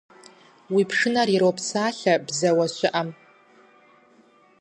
Уи пшынэр иропсалъэ бзэуэ щыӀэм.